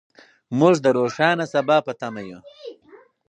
موږ د روښانه سبا په تمه یو.